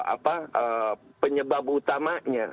apa penyebab utamanya